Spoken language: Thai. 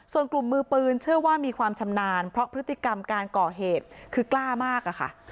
ส่วนกลุ่มมือปืนเชื่อว่ามีความชำนาญเพราะพฤติกรรมการก่อเหตุคือกล้ามากอะค่ะ